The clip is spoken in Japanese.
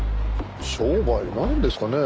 商売になるんですかね。